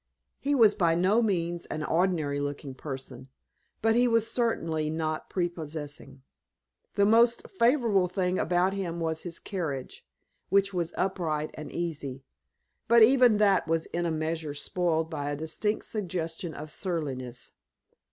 He was by no means an ordinary looking person, but he was certainly not prepossessing. The most favorable thing about him was his carriage, which was upright and easy, but even that was in a measure spoiled by a distinct suggestion of surliness.